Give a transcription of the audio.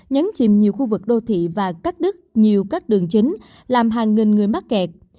nhấn chìm nhiều khu vực đô thị và cắt đứt nhiều các đường chính làm hàng nghìn người mắc kẹt